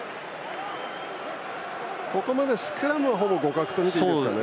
ここまでスクラムはほぼ互角と見ていいですかね。